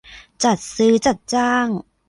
จัดซื้อจัดจ้าง